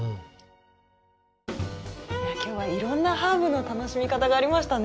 今日はいろんなハーブの楽しみ方がありましたね。